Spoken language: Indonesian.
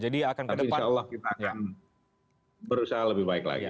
tapi insya allah kita akan berusaha lebih baik lagi